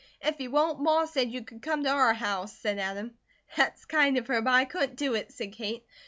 "If he won't, Ma said you could come to our house," said Adam. "That's kind of her, but I couldn't do it," said Kate.